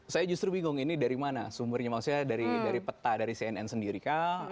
saya justru bingung ini dari mana sumbernya maksudnya dari peta dari cnn sendiri kah